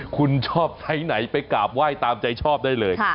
คุณชอบไซส์ไหนไปกราบไหว้ตามใจชอบได้เลย